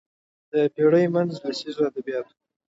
د پېړۍ منځ لسیزو ادبیات وو